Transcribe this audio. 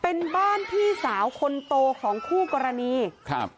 เป็นบ้านพี่สาวคนโตของคู่กรณีครับ